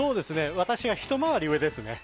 私がひと回り上ですね。